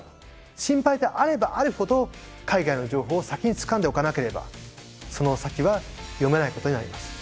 心配であればあるほど海外の情報を先につかんでおかなければその先は読めないことになります。